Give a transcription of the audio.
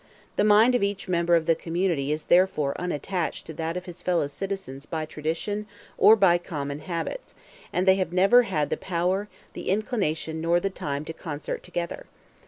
The mind of each member of the community is therefore unattached to that of his fellow citizens by tradition or by common habits; and they have never had the power, the inclination, nor the time to concert together.